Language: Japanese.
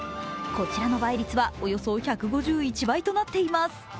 こちらの倍率は、およそ１５１倍となっています。